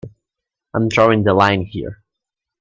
I'm drawing the line here.